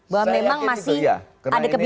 bahwa memang masih ada kebimbangan hati